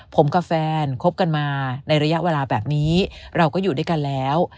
ผมกับแฟนคบกันมาในระยะเวลาแบบนี้เราก็อยู่ด้วยกันแล้ว